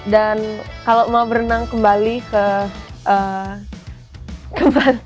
dan kalau mau berenang kembali ke